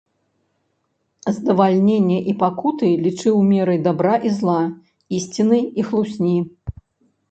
Здавальненне і пакуты лічыў мерай дабра і зла, ісціны і хлусні.